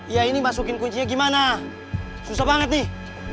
ya ini masukin kuncinya gimana susah banget nih